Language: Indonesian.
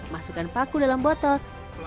masukkan paku dalam botol